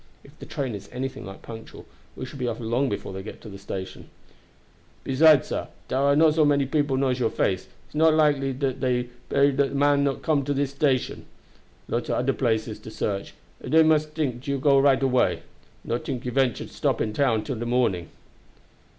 If the train is anything like punctual we shall be off long before they get to the station." "Besides, sah, dar are not many people knows your face, and it not likely de bery man dat know you come to the station. Lots of oder places to search, and dey most sure to tink you go right away not tink you venture to stop in town till the morning."